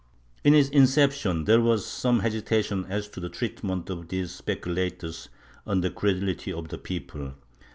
In its inception, there was some hesitation as to the treatment of these speculators on the creduhty of the people.